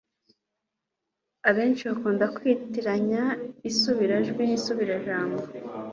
abenshibakunda kwitiranya isubirajwi n'isubirajambo